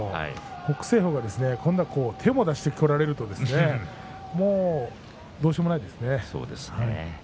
北青鵬が手も出してこられるとどうしようもないですね。